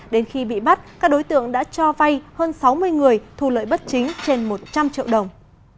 đến khi bị bắt các đối tượng đã cho vay hơn sáu mươi người thu lợi bất chính trên một trăm linh triệu đồng